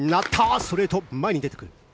ストレート、前に出てくる。